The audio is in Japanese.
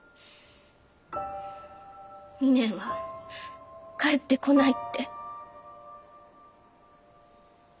２年は帰ってこないって。